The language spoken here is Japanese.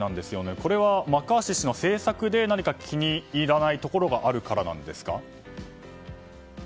これはマッカーシー氏の政策で何か気に入らないところがあるからなんですか。